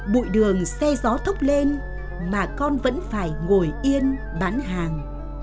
bụi đường xe gió thốc lên mà con vẫn phải ngồi yên bán hàng